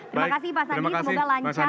terima kasih pak sandi semoga lancar jalannya debat